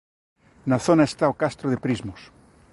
Na zona está o Castro de Prismos.